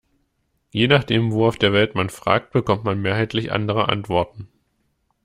Je nachdem, wo auf der Welt man fragt, bekommt man mehrheitlich andere Antworten.